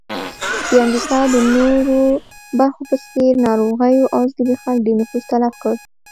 د امریکا د نورو برخو په څېر ناروغیو او زبېښاک ډېر نفوس تلف کړ.